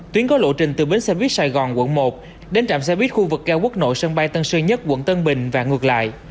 tuyến có lộ trình từ bến xe buýt sài gòn quận một đến trạm xe buýt khu vực cao quốc nội sân bay tân sơn nhất quận tân bình và ngược lại